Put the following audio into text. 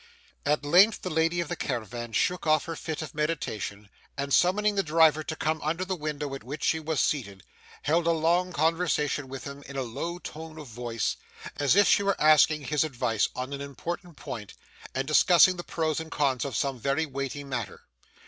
At length the lady of the caravan shook off her fit of meditation, and, summoning the driver to come under the window at which she was seated, held a long conversation with him in a low tone of voice, as if she were asking his advice on an important point, and discussing the pros and cons of some very weighty matter.